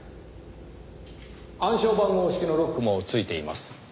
暗証番号式のロックも付いています。